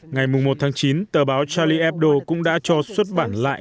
ngày một chín tờ báo charlie hebdo cũng đã cho xuất bản lại